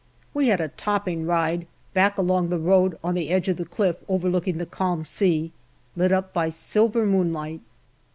We had a topping ride back along the road on the edge of the cliff overlooking the calm sea, lit up by silver moonlight.